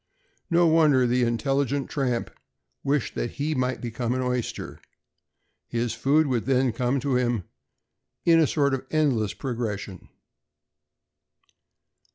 No wonder the intelligent tramp wished that he might become an oyster. His food would then come to him in a sort of endless progression.